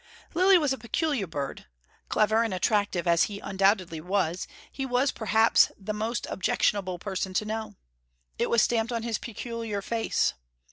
Lilly was a peculiar bird. Clever and attractive as he undoubtedly was, he was perhaps the most objectionable person to know. It was stamped on his peculiar face.